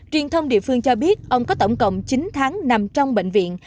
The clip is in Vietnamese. truyền thông địa phương cho biết ông có tổng cộng chín tháng nằm trong bệnh viện